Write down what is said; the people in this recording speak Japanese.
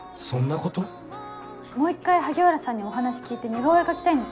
もう一回萩原さんにお話聞いて似顔絵描きたいんです。